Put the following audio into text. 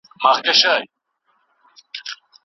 ټکنالوژي د انسان د ورځني ژوند بڼه بدله کړې ده.